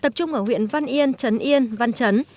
tập trung ở huyện văn yên trấn yên văn trấn